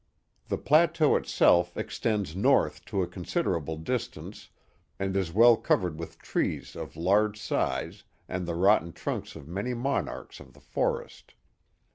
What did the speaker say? The plateau itself extends north to a considerable distance and is well covered with trees of large size and the rotten trunks of many monarchs of the forest.